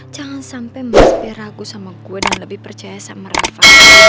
jangan sampai mas b ragu sama gue dan lebih percaya sama reva